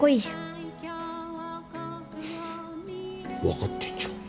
分かってんじゃん。